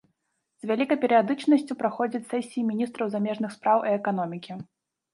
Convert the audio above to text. З вялікай перыядычнасцю праходзяць сесіі міністраў замежных спраў і эканомікі.